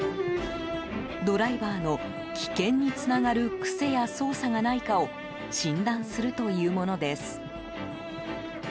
ドライバーの危険につながる癖や操作がないかを診断するというものです。